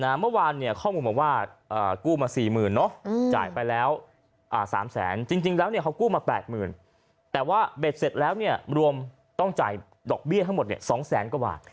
เมื่อวานเข้าคุณมาว่ากู้มา๔๐๐๐๐จ่ายไปแล้ว๓๐๐๐๐๐จริงแล้วเขากู้มา๘๐๐๐๐แต่ว่าเบ็ดเสร็จแล้วรวมต้องจ่ายดอกเบี้ยทั้งหมด๒๐๐๐๐๐กว่า